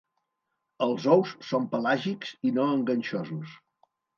Els ous són pelàgics i no enganxosos.